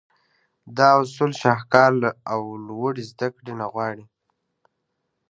دا اصول شهکار او لوړې زدهکړې نه غواړي.